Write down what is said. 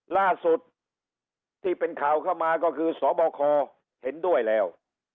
ล่าสุดที่เป็นข่าวเข้ามาก็คือสบคเห็นด้วยแล้ว